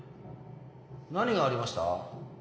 何がありました？